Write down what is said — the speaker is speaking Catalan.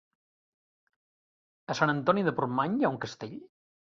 A Sant Antoni de Portmany hi ha un castell?